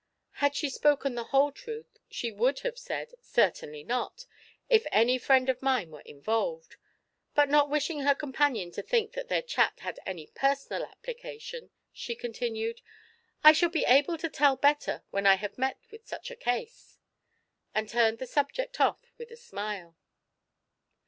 Had she spoken the whole truth, she would have said: "Certainly not, if any friend of mine were involved," but not wishing her companion to think that their chat had any personal application, she continued: "I shall be able to tell better when I have met with such a case," and turned the subject off with a smile.